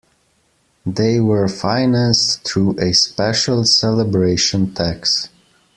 They were financed through a special celebration tax.